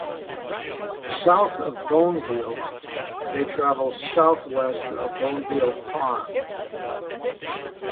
South of Boneville, they travel southwest of Boneville Pond.